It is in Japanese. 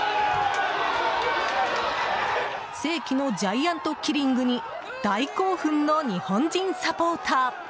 世紀のジャイアントキリングに大興奮の日本人サポーター。